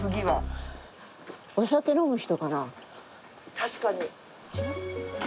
確かに。